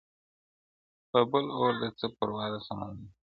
په بل اور ده څه پروا د سمندرو٫